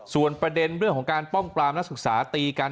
ส่วนประเด็นเรื่องของการป้องปรามนักศึกษาตีกัน